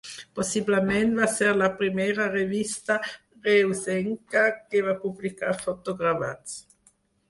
Possiblement va ser la primera revista reusenca que va publicar fotogravats.